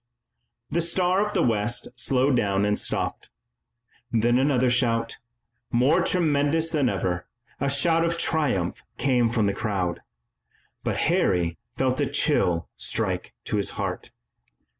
The Star of the West slowed down and stopped. Then another shout, more tremendous than ever, a shout of triumph, came from the crowd, but Harry felt a chill strike to his heart.